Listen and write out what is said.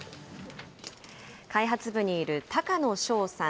開発部にいる高野翔さん。